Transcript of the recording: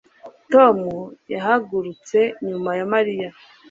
Tom yahagurutse nyuma ya Mariya